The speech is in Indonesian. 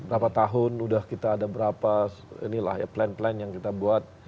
berapa tahun udah kita ada berapa plan plan yang kita buat